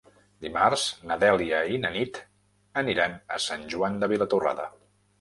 Dimarts na Dèlia i na Nit aniran a Sant Joan de Vilatorrada.